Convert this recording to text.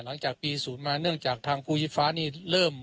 หลังจากปี๐มาเนื่องจากทางภูชิฟ้านี่เริ่ม